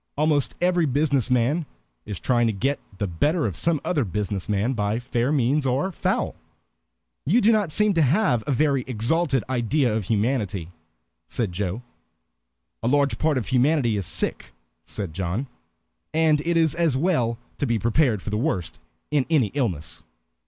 Almost every businessman is trying to get the better of some other business man by fair means or foul." "You do not seem to have a very exalted idea of humanity," said Joe. "A large part of humanity is sick," said John, "and it is as well to be prepared for the worst in any illness."